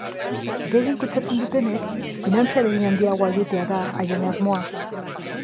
Gehien kutsatzen dutenek finantza ahalegin handiagoa egitea da haien asmoa.